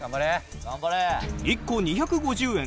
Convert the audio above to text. １個２５０円。